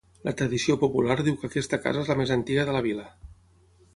La tradició popular diu que aquesta casa és la més antiga de la vila.